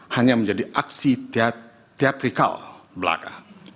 hanya menjadi aksi teatrikal belaka